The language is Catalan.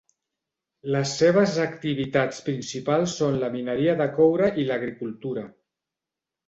Les seves activitats principals són la mineria de cobre i l'agricultura.